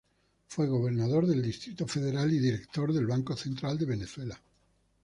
Fue gobernador del Distrito Federal y director del Banco Central de Venezuela.